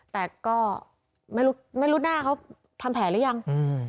แต่ก็ไม่รู้ไม่รู้หน้าเขาทำแผลหรือยัง